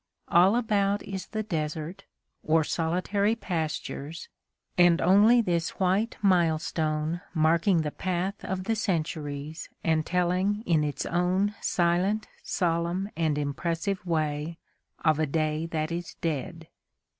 All about is the desert, or solitary pastures, and only this white milestone marking the path of the centuries and telling in its own silent, solemn and impressive way of a day that is dead.